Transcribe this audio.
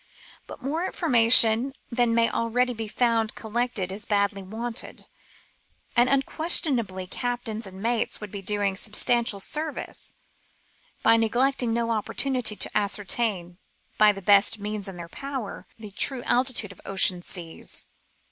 But more information than may already be found collected is badly wanted, and unques tionably captains and mates would be doing substantial service by neglecting no opportunity to ascertain, by the best means in their power, the true altitude of ocean seas.